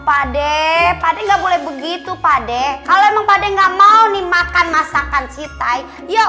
pade pade nggak boleh begitu pade kalau emang pada enggak mau nih makan masakan si tai ya